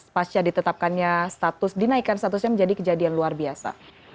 pasca ditetapkannya status dinaikkan statusnya menjadi kejadian luar biasa